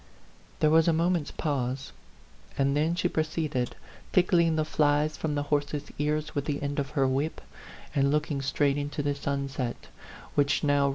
There was a moment's pause; and then she proceeded, tickling the flies from the horse's ears with the end of her whip, and looking straight into the sunset, which now 80 A PHANTOM LOVER.